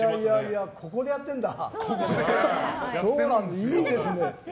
ここでやってるんだ。